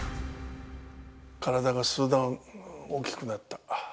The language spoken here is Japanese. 体が数段大きくなった。